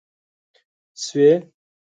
شوې